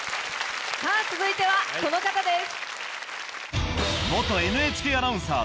続いてはこの方です。